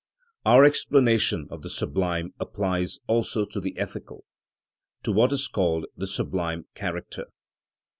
Our explanation of the sublime applies also to the ethical, to what is called the sublime character.